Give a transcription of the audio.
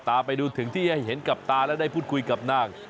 ตามไปดูถึงที่ให้เห็นกับตาแล้วได้พูดคุยกับนาง